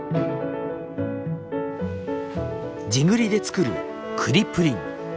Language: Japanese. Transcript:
地栗で作る栗プリン。